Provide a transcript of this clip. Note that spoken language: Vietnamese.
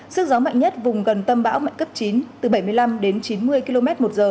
sức gió mạnh nhất vùng gần tâm bão mạnh cấp chín từ bảy mươi năm đến chín mươi km một giờ